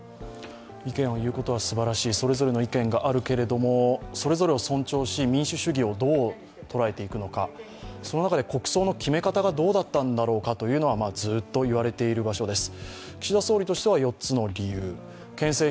意見を言うことはすばらしい、それぞれの意見はあるけれども、それぞれを尊重し、民主主義をどう捉えていくのか、その中で国葬の決め方がどうだったんだろうかということはずっと言われている場所です。